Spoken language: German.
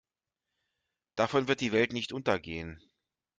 Davon wird die Welt nicht untergehen.